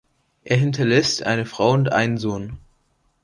Er hinterlässt eine Frau und einen Sohn.